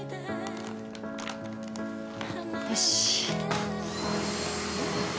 よし！